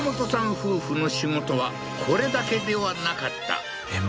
夫婦の仕事はこれだけではなかったえっ